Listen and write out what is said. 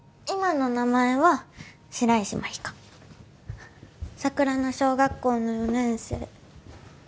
今の名前は白石万理華さくら野小学校の４年生